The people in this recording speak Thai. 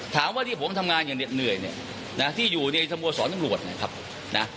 ถามว่าที่ผมทำงานอย่างเด็ดเหนื่อยเนี่ยนะที่อยู่ในสโมสรตำรวจนะครับนะ